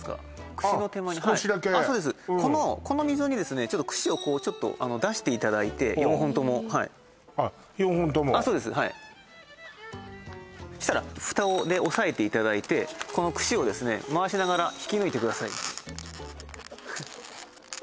串の手前にそうです少しだけこの溝にですね串をちょっと出していただいて４本ともはい４本ともそうですはいそしたらフタで押さえていただいてこの串をですね回しながら引き抜いてください